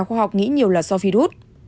khoa học nghĩ nhiều là do virus